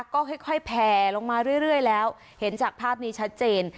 ก็ค่อยค่อยแผลลงมาเรื่อยเรื่อยแล้วเห็นจากภาพนี้ชัดเจน